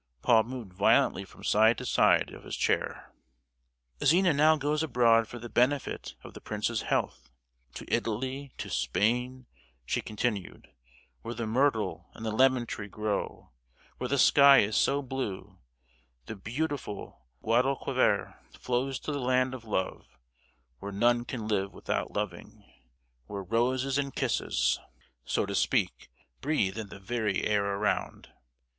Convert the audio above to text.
Paul moved violently from side to side of his chair. "Zina now goes abroad for the benefit of the prince's health—to Italy—to Spain," she continued, "where the myrtle and the lemon tree grow, where the sky is so blue, the beautiful Guadalquiver flows! to the land of love, where none can live without loving; where roses and kisses—so to speak—breathe in the very air around.